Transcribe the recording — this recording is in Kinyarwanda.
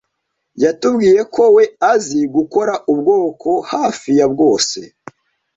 yatubwiye ko we azi gukora ubwoko hafi ya bwose